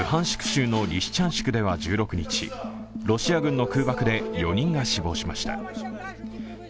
州のリシチャンシクでは１６日、ロシア軍の空爆で４人が死亡しました。